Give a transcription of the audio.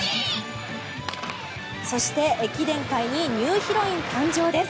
そして駅伝界にニューヒロイン誕生です。